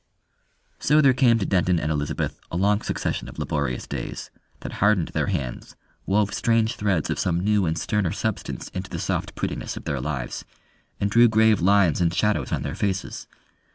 So there came to Denton and Elizabeth a long succession of laborious days, that hardened their hands, wove strange threads of some new and sterner substance into the soft prettiness of their lives, and drew grave lines and shadows on their faces.